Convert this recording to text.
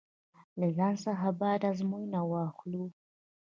له ځان څخه باید ازموینه واخلو.